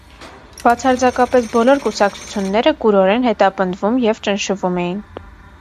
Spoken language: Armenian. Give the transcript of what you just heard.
Բացարձակապես բոլոր կուսակցությունները կուրորեն հետապնդվում և ճնշվում էին։